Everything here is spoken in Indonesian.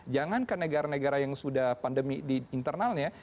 jangankan negara negara yang sudah pandemi di internalnya